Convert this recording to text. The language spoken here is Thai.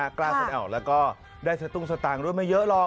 กล้าแสดงออกแล้วก็ได้สตุ้งสตางค์ด้วยไม่เยอะหรอก